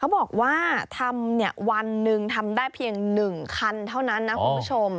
บอกว่าทำวันหนึ่งทำได้เพียง๑คันเท่านั้นนะคุณผู้ชม